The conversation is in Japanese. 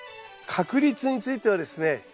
確率についてはですね